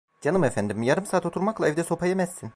Canım efendim, yarım saat oturmakla evde sopa yemezsin.